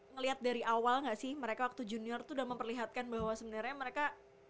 ngelihat dari awal nggak sih mereka waktu junior tuh udah memperlihatkan bahwa sebenarnya mereka